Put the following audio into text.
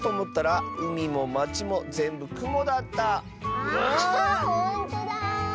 ああほんとだ。